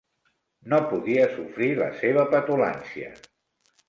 No podia sofrir la seva petulància.